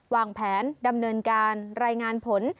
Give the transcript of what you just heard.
วางแผนดำเนินการรายงานผล